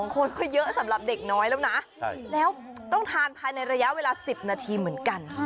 คนก็เยอะสำหรับเด็กน้อยแล้วนะแล้วต้องทานภายในระยะเวลา๑๐นาทีเหมือนกัน